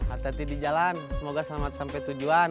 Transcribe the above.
atleti di jalan semoga selamat sampai tujuan